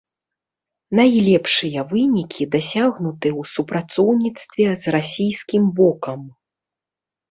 Найлепшыя вынікі дасягнуты ў супрацоўніцтве з расійскім бокам.